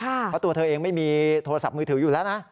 เพราะตัวเธอเองไม่มีโทรศัพท์มือถืออยู่แล้วนะ